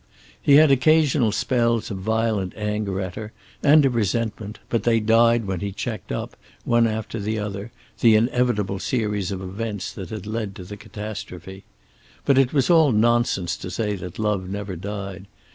He had occasional spells of violent anger at her, and of resentment, but they died when he checked up, one after the other, the inevitable series of events that had led to the catastrophe. But it was all nonsense to say that love never died.